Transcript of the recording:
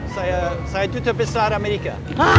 saya tutor pesawat amerika